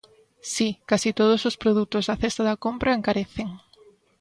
Si, case todos os produtos da cesta da compra encarecen.